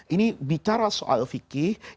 ini bicara soal fikih